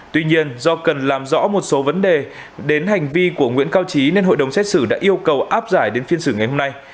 tuy nhiên do cần làm rõ một số vấn đề đến hành vi của nguyễn cao trí nên hội đồng xét xử đã yêu cầu áp giải đến phiên xử ngày hôm nay